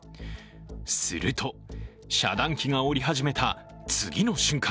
すると、遮断機が下り始めた次の瞬間、